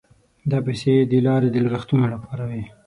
دا پیسې د لارې د لګښتونو لپاره وې.